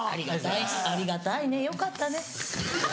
ありがたいねよかったね。